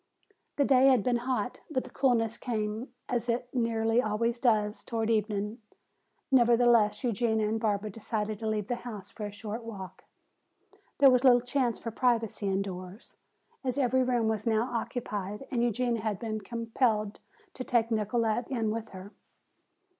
The day had been hot, but the coolness came, as it nearly always does, toward evening. Nevertheless, Eugenia and Barbara decided to leave the house for a short walk. There was little chance for privacy indoors, as every room was now occupied and Eugenia had been compelled to take Nicolete in with her.